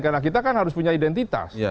karena kita kan harus punya identitas